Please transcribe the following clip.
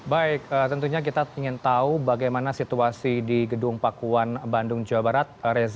baik tentunya kita ingin tahu bagaimana situasi di gedung pakuan bandung jawa barat